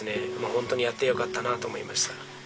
ホントにやってよかったなと思いました